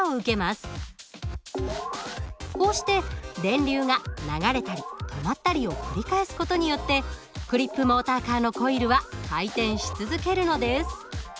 こうして電流が流れたり止まったりを繰り返す事によってクリップモーターカーのコイルは回転し続けるのです。